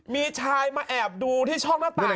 มีชายมาแอบดูที่ช่องหน้าต่าง